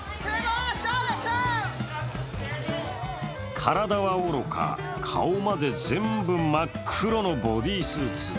体はおろか、顔まで全部真っ黒のボディースーツ。